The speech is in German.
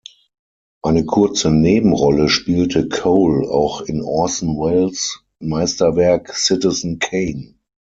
Eine kurze Nebenrolle spielte Cole auch in Orson Welles’ Meisterwerk „Citizen Kane“.